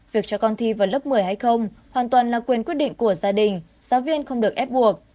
việc cho con thi vào lớp một mươi hay không hoàn toàn là quyền quyết định của gia đình giáo viên không được ép buộc